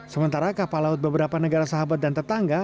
sementara kapal laut beberapa negara sahabat dan tetangga